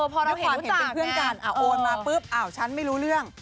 พอเห็นเป็นเพื่อนกันโอนมาปุ๊บฉันไม่รู้เรื่อง